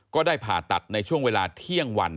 ก็ได้ผ่าตัดในช่วงเวลาเที่ยงวัน